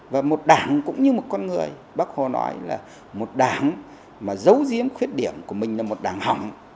và một đảng cũng như một con người bác hồ nói là một đảng mà giấu giếm khuyết điểm của mình là một đảng hỏng